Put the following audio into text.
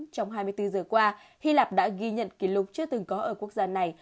trong hai mươi bốn giờ qua hy lạp đã ghi nhận kỷ lục chưa từng có ở quốc gia này